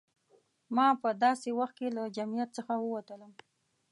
ما په داسې وخت کې له جمعیت څخه ووتلم.